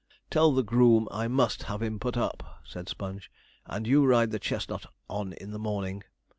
'Tell the groom I must have him put up,' said Sponge; 'and you ride the chestnut on in the morning.